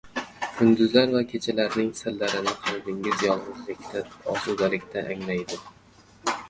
— Kunduzlar va kechalarning sirlarini qalbingiz yolg‘izlikda, osudalikda anglaydi.